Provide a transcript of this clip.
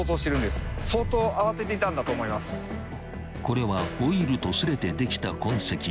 ［これはホイールとすれてできた痕跡］